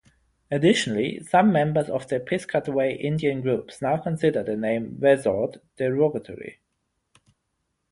Additionally, Some members of the Piscataway Indian groups now consider the name Wesort derogatory.